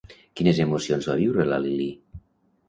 Quines emocions va viure la Lilí?